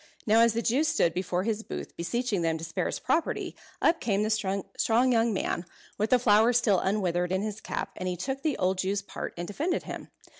Now as the Jew stood before his booth beseeching them to spare his property, up came the strong young man, with the flower still unwithered in his cap, and he took the old Jew's part and defended him.